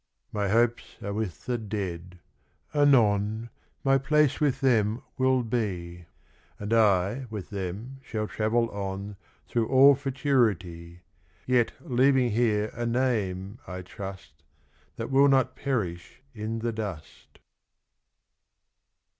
My hopes are with the Dead, anon My place with them will be, And I with them will travel on Through all Futurity; Yet leaving here a name, I trust, That will not perish in the dust.